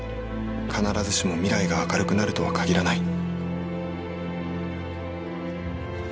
必ずしも未来が明るくなるとは限らない。